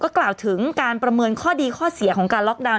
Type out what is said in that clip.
กล่าวถึงการประเมินข้อดีข้อเสียของการล็อกดาวน